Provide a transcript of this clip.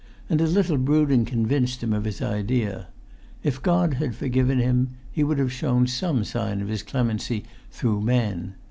And a little brooding convinced him of his idea. If God had forgiven him, He would have shown some sign of His clemency through men.